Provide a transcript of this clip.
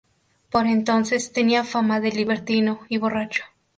Por entonces tenía fama de libertino y borracho.